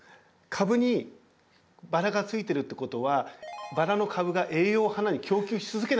株にバラがついてるってことはバラの株が栄養を花に供給し続けないといけないんです。